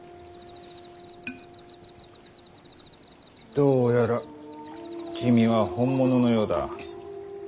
どうやら君は本物のようだ。